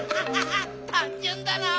たんじゅんだな。